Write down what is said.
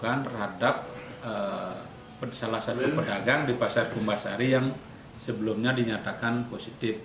testing yang kita lakukan terhadap salah satu pedagang di pasar pumbasari yang sebelumnya dinyatakan positif